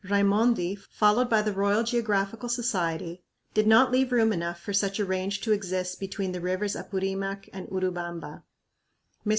Raimondi, followed by the Royal Geographical Society, did not leave room enough for such a range to exist between the rivers Apurimac and Urubamba. Mr.